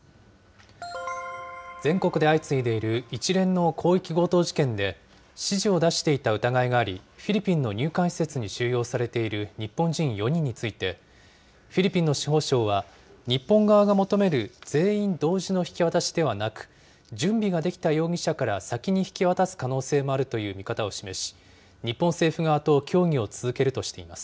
全国で相次いでいる一連の広域強盗事件で、指示を出していた疑いがあり、フィリピンの入管施設に収容されている日本人４人について、フィリピンの司法相は、日本側が求める全員同時の引き渡しではなく、準備ができた容疑者から先に引き渡す可能性もあるという見方を示し、日本政府側と協議を続けるとしています。